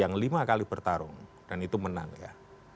yang lima kali bertarung dan itu menang ya